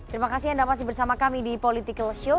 terima kasih anda masih bersama kami di politikalshow